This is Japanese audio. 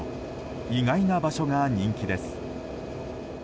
意外な場所が人気です。